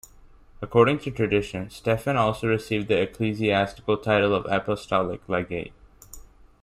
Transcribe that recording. According to tradition, Stephen also received the ecclesiastical title of Apostolic Legate.